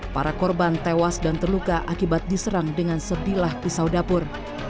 para korban tewas dan terluka akibat diserang dengan sebilah pisau dapur